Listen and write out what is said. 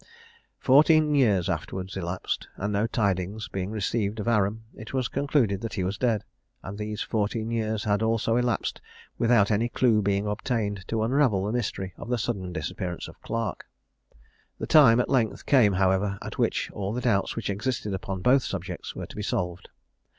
Fourteen years afterwards elapsed, and no tidings being received of Aram, it was concluded that he was dead; and these fourteen years had also elapsed without any clue being obtained to unravel the mystery of the sudden disappearance of Clarke. The time at length came, however, at which all the doubts which existed upon both subjects were to be solved.